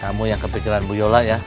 kamu yang kepikiran bu yola ya